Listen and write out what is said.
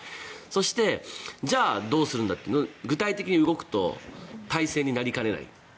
そして、じゃあどうするんだって具体的に動くと大戦になりかねない。